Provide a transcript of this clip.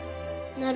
なる。